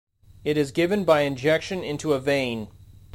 It is given by injection into a vein.